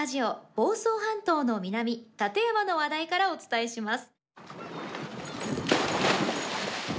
房総半島の南館山の話題からお伝えします。